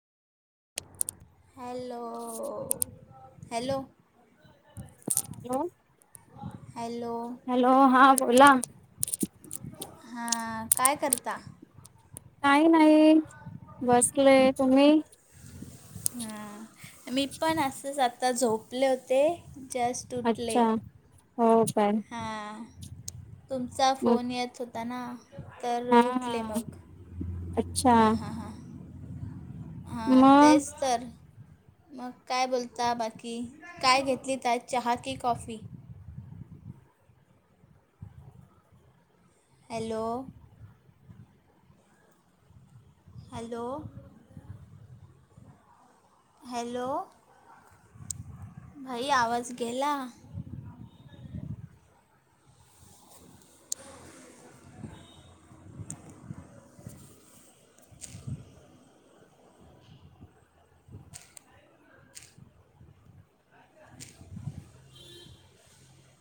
hello hello hello hello hello हा बोला हा काय करता काही नाही बसले तुम्ही हा मी पण असंच आता झोपले होते जस्ट उठले अच्छा हो पण हां तुमचा फोन येत होता ना तर हा उठले हा मग अच्छा हा हां हां हां मग तेच तर मग काय बोलता बाकी काय घेतली त्या चहा की कॉफी हॅलो हॅलो हॅलो भाई आवाज गेला